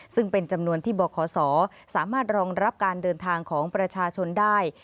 ซึ่งเป็นจำนวนที่บขสามารถรองรับการเดินทางของประชาชนได้